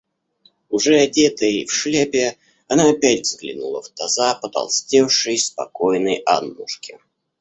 Уже одетая и в шляпе, она опять взглянула в таза потолстевшей, спокойной Аннушки.